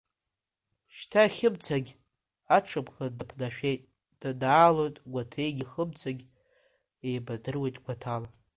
Шьҭа Хьымцагь аҽыбӷа дыԥнашәеит, данаалоит, Гәаҭеигьы Хьымцагь еибадыруеит гәаҭала.